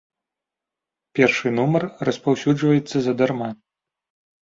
Першы нумар распаўсюджваецца задарма.